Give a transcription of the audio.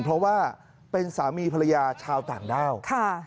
เพราะว่าเป็นสามีภรรยาชาวต่างด้าว